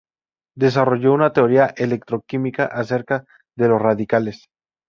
Desarrolló una teoría electroquímica acerca de los radicales.